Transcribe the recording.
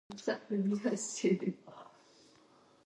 باید د ځمکې د قوت لپاره یوازې طبیعي سره وکارول شي.